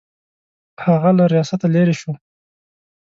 هغه له ریاسته لیرې شو.